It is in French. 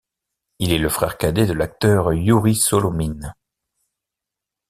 Il est le frère cadet de l'acteur Youri Solomine.